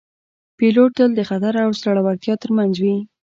پیلوټ تل د خطر او زړورتیا ترمنځ وي